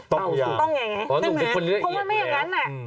ต้องอย่างไรไงเพราะว่าหนูเป็นคนละเอียดแหละหนูเป็นคนละเอียดเพราะมันไม่อย่างนั้นแหละ